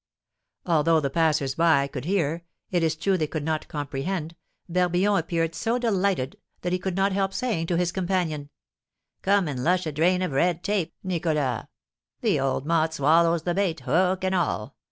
Although the passers by could hear (it is true they could not comprehend), Barbillon appeared so delighted that he could not help saying to his companion: "Come and 'lush a drain of red tape,' Nicholas; the old mot swallows the bait, hook and all.